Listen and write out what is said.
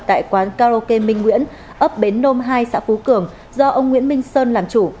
tại quán karaoke minh nguyễn ấp bến nôm hai xã phú cường do ông nguyễn minh sơn làm chủ